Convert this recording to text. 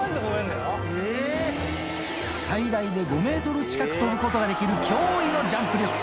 最大で５メートル近く跳ぶことができる驚異のジャンプ力。